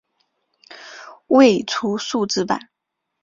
未出数字版。